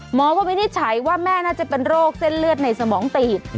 หมอก็วินิจฉัยว่าแม่น่าจะเป็นโรคเส้นเลือดในสมองตีบ